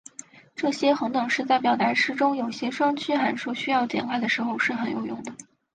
这些恒等式在表达式中有些双曲函数需要简化的时候是很有用的。